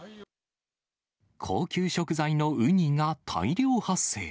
高級食材のウニが大量発生。